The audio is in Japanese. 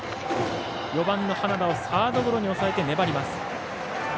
４番、花田をサードゴロに抑えて粘ります。